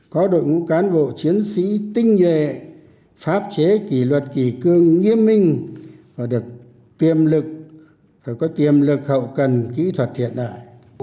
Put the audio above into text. có đội ngũ cán bộ chiến sĩ tinh nhuệ pháp chế kỷ luật kỷ cương nghiêm minh và được tiềm lực phải có tiềm lực hậu cần kỹ thuật hiện đại